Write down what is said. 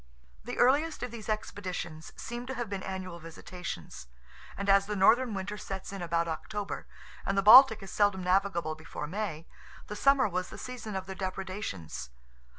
The earliest of these expeditions seem to have been annual visitations; and as the northern winter sets in about October, and the Baltic is seldom navigable before May, the summer was the season of their depredations.